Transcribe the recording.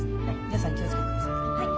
皆さん気をつけて下さい。